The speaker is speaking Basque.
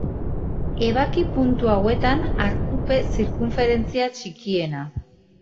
Ebaki puntu hauetan arkupe zirkunferentzia txikiena.